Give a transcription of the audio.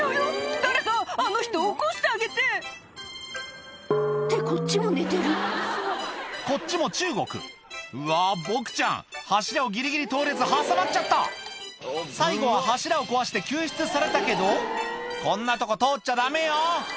誰かあの人起こしてあげてってこっちも寝てるこっちも中国うわボクちゃん柱をギリギリ通れず挟まっちゃった最後は柱を壊して救出されたけどこんなとこ通っちゃダメよ